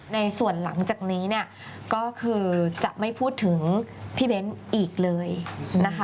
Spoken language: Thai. ในส่วนหลังจากนี้เนี่ยก็คือจะไม่พูดถึงพี่เบ้นอีกเลยนะคะ